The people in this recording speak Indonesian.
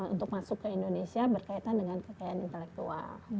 untuk masuk ke indonesia berkaitan dengan kekayaan intelektual